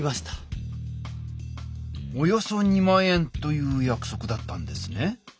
およそ２万円というやくそくだったんですね。